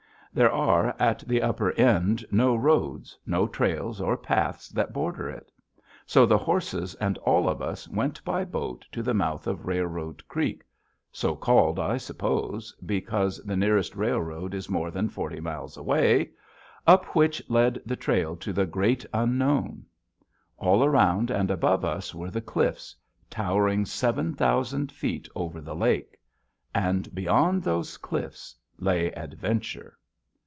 There are, at the upper end, no roads, no trails or paths that border it. So the horses and all of us went by boat to the mouth of Railroad Creek, so called, I suppose, because the nearest railroad is more than forty miles away, up which led the trail to the great unknown. All around and above us were the cliffs, towering seven thousand feet over the lake. And beyond those cliffs lay adventure.